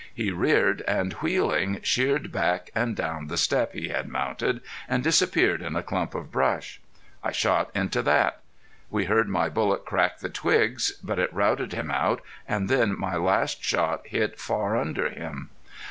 He reared, and wheeling, sheered back and down the step he had mounted, and disappeared in a clump of brush. I shot into that. We heard my bullet crack the twigs. But it routed him out, and then my last shot hit far under him.